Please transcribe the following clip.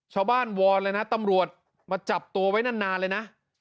วอนเลยนะตำรวจมาจับตัวไว้นานเลยนะ